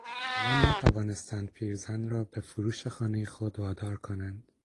آنان نتوانستند پیرزن را به فروش خانهی خود وادار کنند.